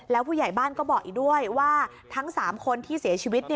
แล้วผู้ใหญ่บ้านก็บอกอีกด้วยว่าทั้ง๓คนที่เสียชีวิต